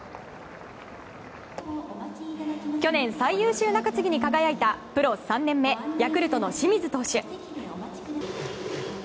去年、最優秀中継ぎに輝いたプロ３年目ヤクルトの清水投手。